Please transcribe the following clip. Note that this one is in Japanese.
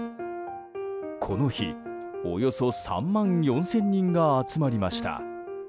この日およそ３万４０００人が集まりました。